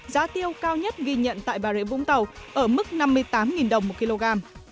giá tiêu cao nhất ghi nhận tại bà rịa vũng tàu ở mức năm mươi tám đồng một kg